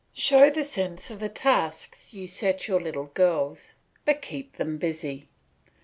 Show the sense of the tasks you set your little girls, but keep them busy.